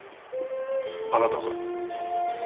あなたが？